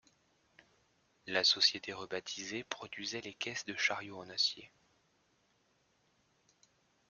La société rebaptisée produisait les caisses de chariot en acier.